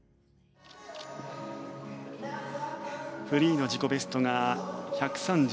フリーの自己ベストが１３３．２２。